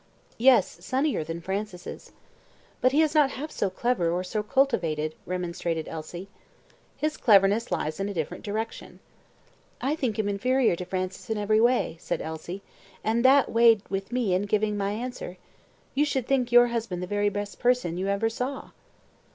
"Yes, sunnier than Francis'." "But he is not half so clever or so cultivated," remonstrated Elsie. "His cleverness lies in a different direction." "I think him inferior to Francis in every way," said Elsie, "and that weighed with me in giving my answer. You should think your husband the very best person you ever saw."